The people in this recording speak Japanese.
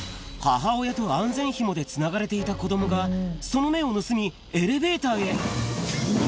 母親と安全ひもでつながれていた子どもが、その目を盗みエレベーターへ。